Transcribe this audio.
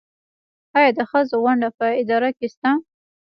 آیا د ښځو ونډه په اداره کې شته؟